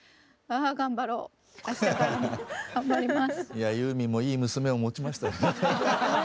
いやユーミンもいい娘を持ちましたね。